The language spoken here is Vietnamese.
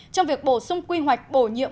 trong việc bổ sung quy hoạch bổ nhiệm